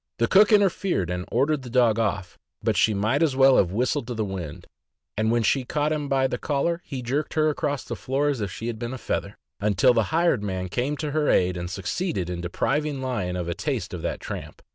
The cook interfered and ordered the dog off, but she might as well have whistled to the wind; and when she caught him by the collar, he jerked her across the floor as if she had been a feather, until the hired man came to her aid and suc ceeded in depriving Lion of a taste of that tramp.